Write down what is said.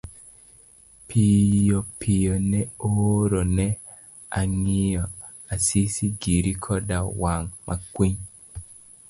Piyopiyo ne ooro ne ong'iyo Asisi giri koda wang makwiny.